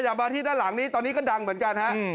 มาที่ด้านหลังนี้ตอนนี้ก็ดังเหมือนกันฮะ